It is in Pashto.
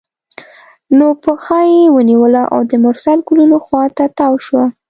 نو پښه یې ونیوله او د مرسل ګلونو خوا ته تاوه شوه.